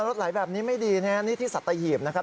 รถไหลแบบนี้ไม่ดีนะครับนี่ที่สัตหีบนะครับ